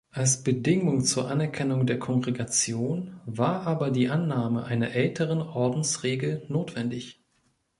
Als Bedingung zur Anerkennung der Kongregation war aber die Annahme einer älteren Ordensregel notwendig.